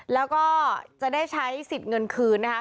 แล้วก็จะได้ใช้สิทธิ์เงินคืนนะคะ